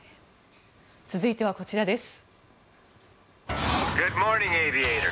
続いてはこちらです。